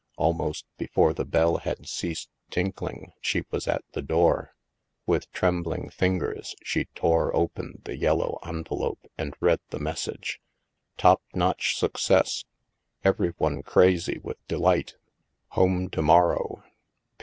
Almost before the bell had ceased tinkling, she was at the door. With trem bling fingers she tore open the yellow envelope and read the message : 3o8 THE MASK " Top notch success. Every one crazy with de light. Home to morrow.